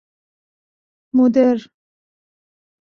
مدر